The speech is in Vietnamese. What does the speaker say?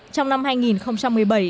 trong năm hai nghìn một mươi bảy